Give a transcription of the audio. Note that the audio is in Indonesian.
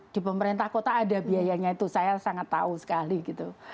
di pemerintah kota ada biayanya itu saya sangat tahu sekali gitu